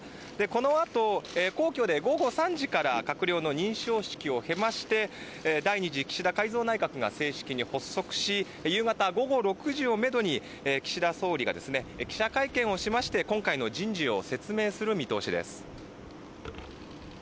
このあと、皇居で午後３時から閣僚の認証式を経まして第２次岸田改造内閣が正式に発足し夕方午後６時をめどに岸田総理が記者会見をしまして今回の人事を説明する見通しです。